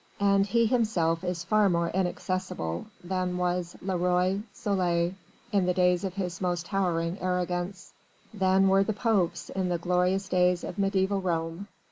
And he himself is far more inaccessible than was le Roi Soleil in the days of his most towering arrogance, than were the Popes in the glorious days of mediæval Rome.